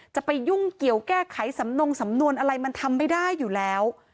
จะไปยุ่งเกี่ยวแก้ไขสำนงสำนวนอะไรมันทำไม่ได้อยู่แล้ว